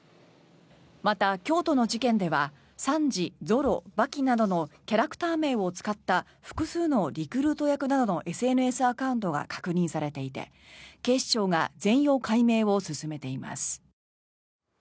また、京都の事件ではサンジ、ゾロ、刃牙などのキャラクター名を使った複数のリクルート役などのＳＮＳアカウントが確認されていて警視庁が全容解明を進めています。